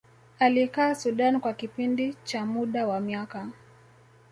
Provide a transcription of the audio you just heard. alikaa Sudan kwa kipindi cha muda wa miaka